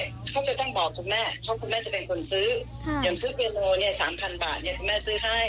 อาจจะแต่คุณแม่เห็นเห็นซื้อกรมฐานในรายการเมื่อกี้นะ